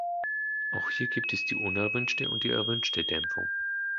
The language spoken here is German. Auch hier gibt es die unerwünschte und die erwünschte Dämpfung.